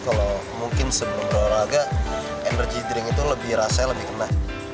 kalau mungkin sebelum berolahraga energy drink itu lebih rasanya lebih kena